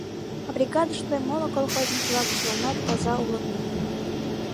А бригадыште моло колхозник-влак чыланат таза улыт мо?